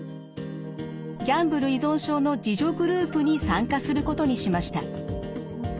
ギャンブル依存症の自助グループに参加することにしました。